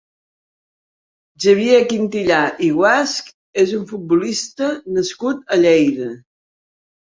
Xavier Quintillà i Guasch és un futbolista nascut a Lleida.